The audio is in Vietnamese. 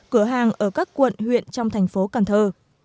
cửa hàng ở các quận huyện trong thành phố cần thơ